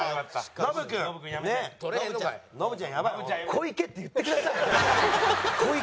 「小池」って言ってください！